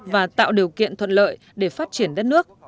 và tạo điều kiện thuận lợi để phát triển đất nước